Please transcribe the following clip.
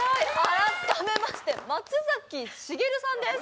改めまして松崎しげるさんです。